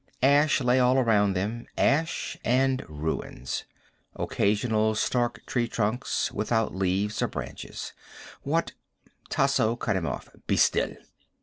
Ash lay all around them, ash and ruins. Occasional stark tree trunks, without leaves or branches. "What " Tasso cut him off. "Be still."